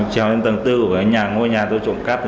trèo lên tầng bốn của ngôi nhà tôi trộm cắp